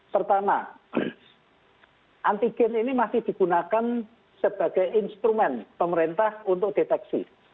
pertama antigen ini masih digunakan sebagai instrumen pemerintah untuk deteksi